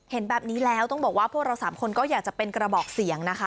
เห็นแบบนี้แล้วต้องบอกว่าพวกเราสามคนก็อยากจะเป็นกระบอกเสียงนะคะ